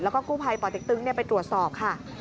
แล้วก็กู้ภัยป่อเต็กตึงไปตรวจสอบค่ะ